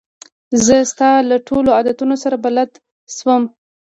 زه ستا له ټولو عادتو سره بلده شوم.